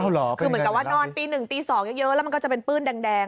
คือเหมือนกับว่านอนตี๑ตี๒เยอะแล้วมันก็จะเป็นปื้นแดง